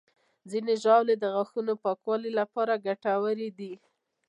ځینې ژاولې د غاښونو د پاکوالي لپاره ګټورې دي.